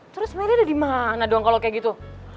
terus meli ada di mana doang kalau kayak gitu